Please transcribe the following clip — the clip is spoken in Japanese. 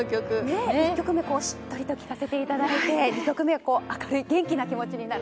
１曲目はしっとりと聞かせていただいて２曲目明るい元気な気持ちになる。